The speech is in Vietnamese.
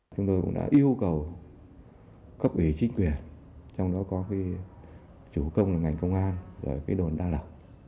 chúng tôi cũng đã yêu cầu cấp ủy chính quyền trong đó có chủ công là ngành công an rồi cái đồn đăng đảo